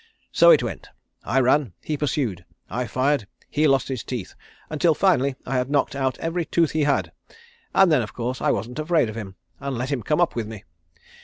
So it went. I ran. He pursued. I fired; he lost his teeth, until finally I had knocked out every tooth he had, and then, of course, I wasn't afraid of him, and let him come up with me.